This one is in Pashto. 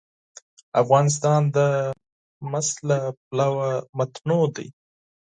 افغانستان د مس له پلوه متنوع دی.